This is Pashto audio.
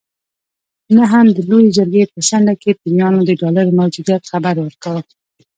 نه هم د لویې جرګې په څنډه کې پیریانو د ډالرو موجودیت خبر ورکاوه.